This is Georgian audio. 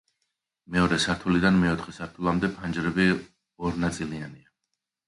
მეორე სართულიდან მეოთხე სართულამდე ფანჯრები ორნაწილიანია.